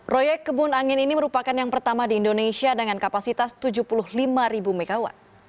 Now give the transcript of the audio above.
proyek kebun angin ini merupakan yang pertama di indonesia dengan kapasitas tujuh puluh lima mw